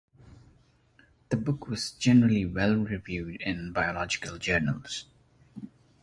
The book was generally well reviewed in biological journals.